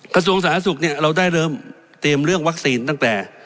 กระทรวงสาธารณสุขเนี่ยเราได้เริ่มเตรียมเรื่องวัคซีนตั้งแต่